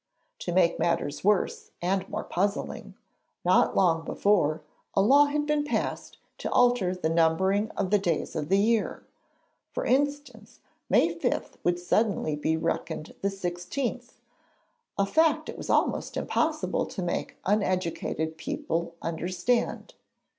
To make matters worse and more puzzling, not long before a law had been passed to alter the numbering of the days of the year. For instance, May 5 would suddenly be reckoned the 16th, a fact it was almost impossible to make uneducated people understand.